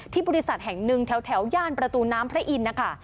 บริษัทแห่งหนึ่งแถวย่านประตูน้ำพระอินทร์นะคะ